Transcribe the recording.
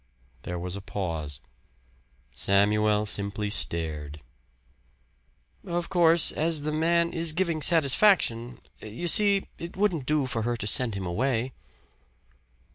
There was a pause. Samuel simply stared. "Of course, as the man is giving satisfaction you see it wouldn't do for her to send him away."